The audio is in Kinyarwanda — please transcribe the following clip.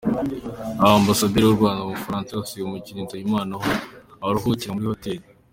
Aha Ambasaderi w’u Rwanda mu Bufaransa yasuye umukinnyi Nsabimana aho aruhukira muri hoteli.